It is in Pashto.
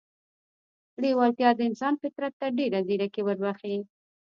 لېوالتیا د انسان فطرت ته ډېره ځیرکي وربښي